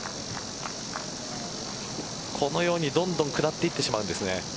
このようにどんどん下っていってしまうんですね。